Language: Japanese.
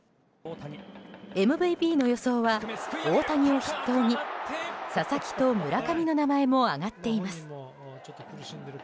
ＭＶＰの予想は大谷を筆頭に佐々木と村上の名前も挙がっています。